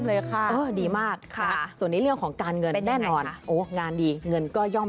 เลยค่ะดีมากส่วนในเรื่องของการเงินแน่นอนโอ้งานดีเงินก็ย่อม